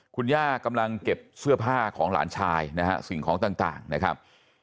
คุณย่ากำลังเก็บเสื้อผ้าของหลานชายนะฮะสิ่งของต่างนะครับ